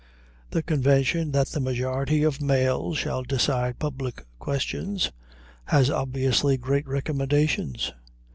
The convention that the majority of males shall decide public questions has obviously great recommendations.